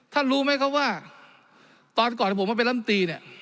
ท่านรู้ไหมครับว่าตอนก่อนผมมาเป็นรัฐมนตรีเนี่ย